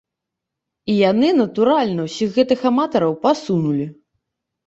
І яны, натуральна, усіх гэтых аматараў пасунулі.